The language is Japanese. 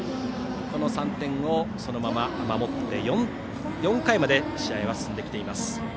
この３点をそのまま守って４回まで試合は進んできています。